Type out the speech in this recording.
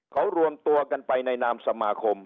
เขารวมตัวกันไปในนามสมาคม